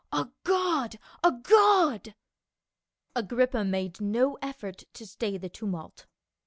" A god ! A god !" Agrippa made no effort to stay the tumult.